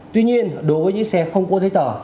tuy nhiên đối với những xe không có giấy tờ